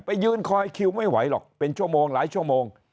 ไปยืนคอยคิวไม่ไหวหรอกเป็นชั่วโมงหลายชั่วโมง